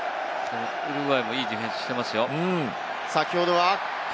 ウルグアイもいいディフェンスをしてますよ。